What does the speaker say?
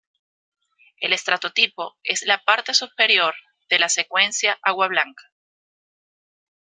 El estrato tipo es la parte superior de la Secuencia Agua Blanca.